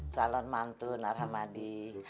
salon mantu narhamadi